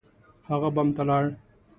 هغه بام ته لاړ.